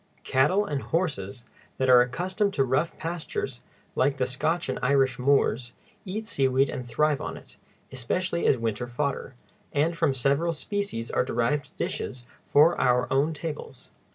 Cattle and horses that are accustomed to rough pastures, like the Scotch and Irish moors, eat seaweed and thrive on it, especially as winter fodder, and from several species are derived dishes for our own tables.